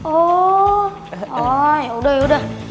oh yaudah yaudah